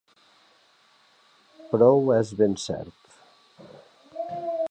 Prou és ben cert.